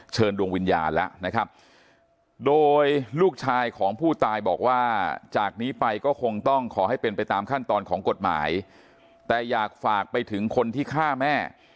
จากนี้ไปก็คงต้องขอให้เป็นไปตามขั้นตอนของกฎหมายแต่อยากฝากไปถึงคนที่ฆ่าแม่